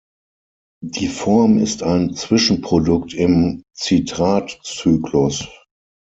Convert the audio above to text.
Die -Form ist ein Zwischenprodukt im Citratzyklus.